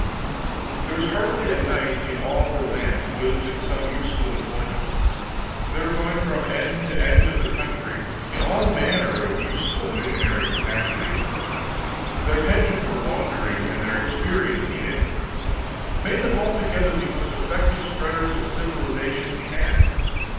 There was hardly a knight in all the land who wasn't in some useful employment. They were going from end to end of the country in all manner of useful missionary capacities; their penchant for wandering, and their experience in it, made them altogether the most effective spreaders of civilization we had.